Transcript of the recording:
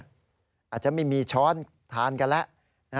อาจจะไม่มีช้อนทานกันแล้ว